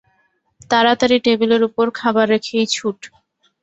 তাড়াতাড়ি টেবিলের উপর খাবার রেখেই ছুট।